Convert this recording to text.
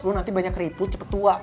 lo nanti banyak ribut cepet tua